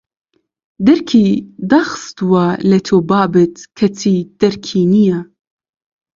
دەرکی داخستووە لە تۆ بابت کەچی دەرکی نییە